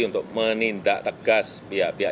untuk menindak tegas pihak pihak